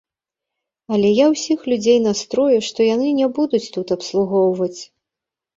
Але я ўсіх людзей настрою, што яны не будуць тут абслугоўваць.